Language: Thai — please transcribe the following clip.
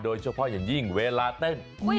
โดยเฉพาะอย่างยิ่งเวลาเต้น